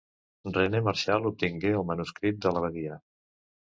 René Marchal obtingué el manuscrit de l'abadia.